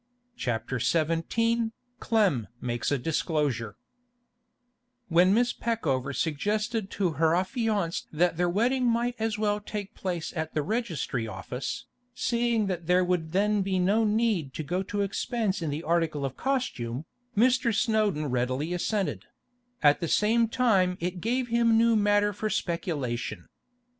CHAPTER XVII CLEM MAKES A DISCLOSURE When Miss Peckover suggested to her affianced that their wedding might as well take place at the registry office, seeing that there would then be no need to go to expense in the article of costume, Mr. Snowdon readily assented; at the same time it gave him new matter for speculation.